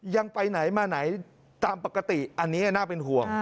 ยังไปไหนมาไหนตามปกติอันนี้น่าเป็นห่วง